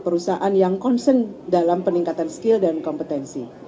perusahaan yang concern dalam peningkatan skill dan kompetensi